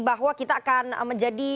bahwa kita akan menjadi